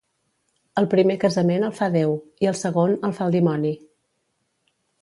El primer casament el fa Déu i, el segon, el fa el dimoni.